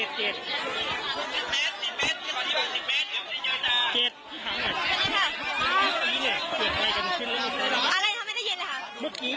พี่สื่อครับขอบริญญาณพี่